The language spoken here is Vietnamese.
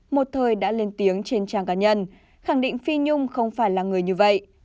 một thời đã lên tiếng trên trang cá nhân khẳng định phi nhung không phải là người như vậy